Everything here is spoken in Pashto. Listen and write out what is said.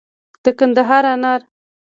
د کندهار انار